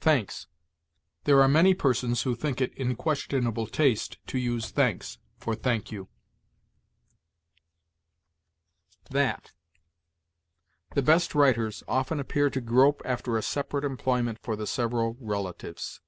THANKS. There are many persons who think it in questionable taste to use thanks for thank you. THAT. The best writers often appear to grope after a separate employment for the several relatives.